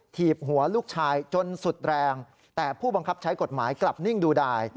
ถีบหัวลูกชายจนสุดแรงแต่ผู้บังคับใช้กฎหมายกลับนิ่งดูดาย